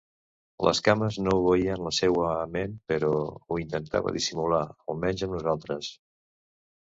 Les cames no obeïen la seua ment però ho intentava dissimular, almenys amb nosaltres.